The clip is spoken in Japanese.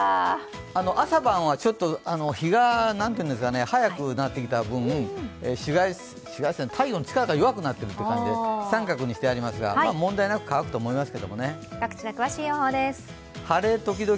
朝晩はちょっと日が早くなってきた分太陽の力が弱くなっているという感じで△にしてありますが、問題なくと乾くと思います。